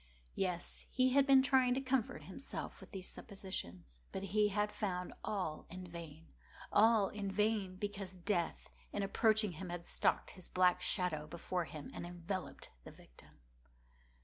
Yes, he had been trying to comfort himself with these suppositions: but he had found all in vain. All in vain; because Death, in approaching him had stalked with his black shadow before him, and enveloped the victim.